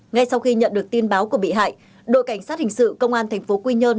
ngay sau khi nhận được tin báo của bị hại đội cảnh sát hình sự công an tp quy nhơn